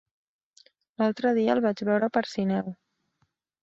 L'altre dia el vaig veure per Sineu.